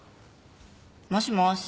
もしもし